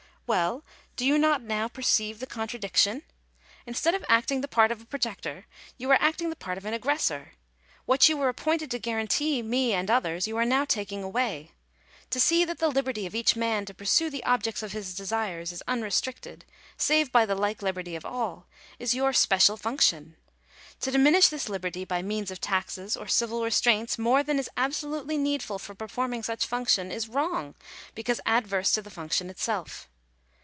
" Well, do you not now perceive the contradiction? Instead of acting the part of a protector you are acting the part of an aggressor. What you were appointed to guarantee me and others, you are now taking away. To see that the liberty of each man to pursue the objects of his desires is unrestricted, save by the like liberty of all, is your special function. To diminish this liberty by means of taxes, or civil restraints more than is absolutely needful for performing such function, is wrong, because adverse to the function itself.